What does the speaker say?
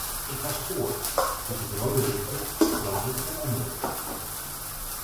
Ik was voor, dus het rode lichtje brandde ten onrechte.